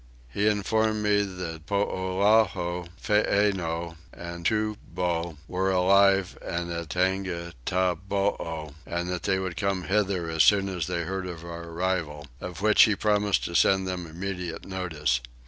He informed me that Poulaho, Feenow, and Tubow, were alive and at Tongataboo, and that they would come hither as soon as they heard of our arrival, of which he promised to send them immediate notice.